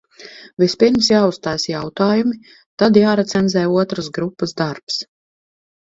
Vispirms jāuztaisa jautājumi, tad jārecenzē otras grupas darbs.